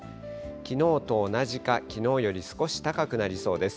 きのうと同じかきのうより少し高くなりそうです。